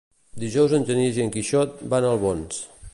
Dijous en Genís i en Quixot van a Albons.